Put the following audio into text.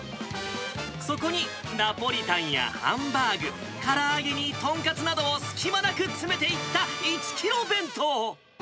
そこにナポリタンやハンバーグ、から揚げに豚カツなどを隙間なく詰めていった１キロ弁当。